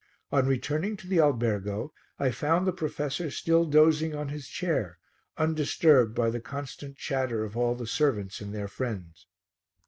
On returning to the albergo I found the professor still dozing on his chair, undisturbed by the constant chatter of all the servants and their friends.